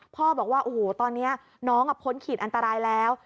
บอกว่าโอ้โหตอนนี้น้องพ้นขีดอันตรายแล้ว